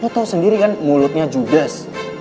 lo tau sendiri kan mulutnya judas